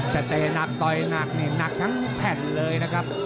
แต่เตะหนักต่อยหนักนี่หนักทั้งแผ่นเลยนะครับ